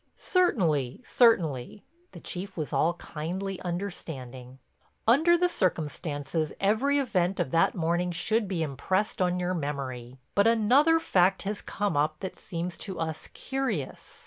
"Certainly, certainly." The Chief was all kindly understanding. "Under the circumstances every event of that morning should be impressed on your memory. But another fact has come up that seems to us curious.